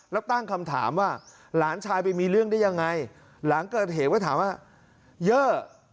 แล้วตั้งคำถามว่าหลานชายไปมีเรื่องได้ยังไงหลังเกิดเหตุก็ถามว่าเยอะ